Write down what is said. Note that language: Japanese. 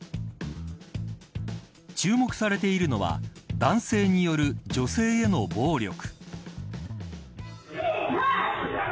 注目されているのは男性による女性への暴力。